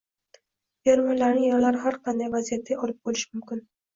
fermerlarning yerlari har qanday vaziyatda olib qo‘yilishi mumkin.